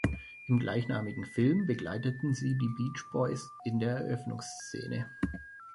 Im gleichnamigen Film begleiteten sie die Beach Boys in der Eröffnungsszene.